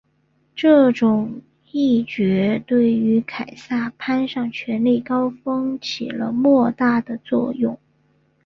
这种议决对于凯撒攀上权力高峰起了莫大的作用。